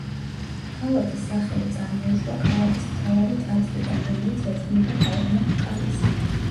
ქალაქის სახელი წარმოიშვა ქალაქის მთავარი ტაძრიდან, რომელიც ეძღვნება ქალღმერთ კალის.